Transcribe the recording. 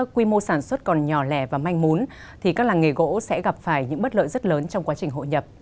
các làng nghề gỗ sẽ gặp phải những bất lợi rất lớn trong quá trình hội nhập